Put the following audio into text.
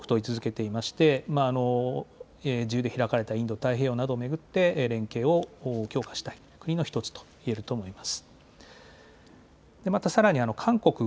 これは特別な同志国と位置づけていて、自由で開かれたインド太平洋などを巡って連携を強化したい国の１つといえると思います。